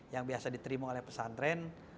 yang biasa diterima oleh pesan tren